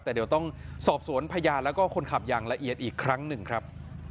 แต่เดี๋ยวต้องสอบสวนพยานแล้วก็คนขับอย่างละเอียดอีกครั้งหนึ่งครับ